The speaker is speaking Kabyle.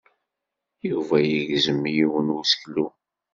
Yuba yegzem yiwen n useklu.